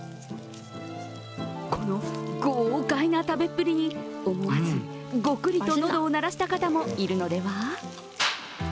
この豪快な食べっぷりに思わず、ゴクリと喉を鳴らした方もいるのでは？